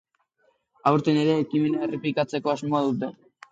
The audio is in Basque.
Aurten ere ekimena errepikatzeko asmoa dute.